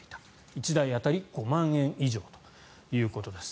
１台当たり５万円以上ということです。